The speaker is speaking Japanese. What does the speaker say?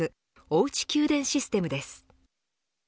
おうち給電システムです。